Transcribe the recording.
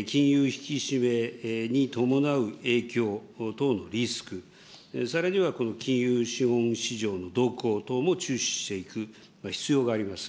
引き締めに伴う影響等のリスク、さらにはこの金融資本市場の動向等も注視していく必要があります。